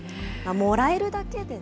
もらえるだけでね。